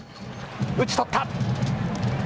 打ち取った。